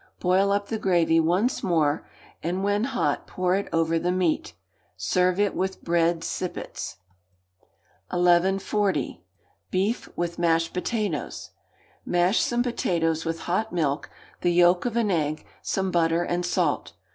Boil up the gravy once more, and, when hot, pour it over the meat. Serve it with bread sippets. 1140. Beef with Mashed Potatoes. Mash some potatoes with hot milk, the yolk of an egg, some butter and salt.